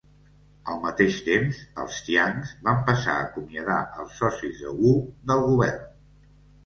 Al mateix temps, els Chiangs van passar a acomiadar els socis de Wu del govern.